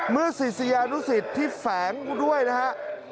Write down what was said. เมื่อศิษยานุศิษย์ที่แฝงด้วยนะฮะ